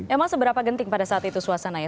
ema seberapa genting pada saat itu suasana ya